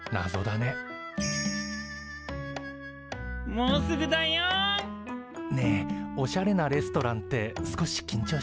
もうすぐだよ。ねえおしゃれなレストランって少しきんちょうしない？